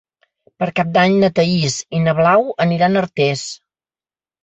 Per Cap d'Any na Thaís i na Blau aniran a Artés.